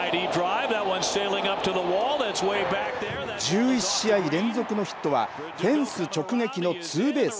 １１試合連続のヒットは、フェンス直撃のツーベース。